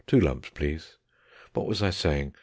Two lumps, please). ... What was I saying?